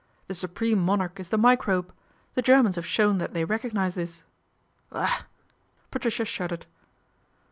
The supreme monarch is the microbe. The Germans have shown that they recognise this." " Ugh !" Patricia shuddered.